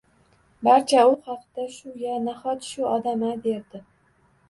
Barcha u haqda shu-ya, nahot shu odam-a derdi.